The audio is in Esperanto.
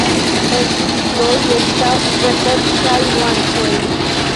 En flugiloj estas verdecaj nuancoj.